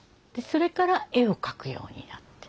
それから絵を描くようになって。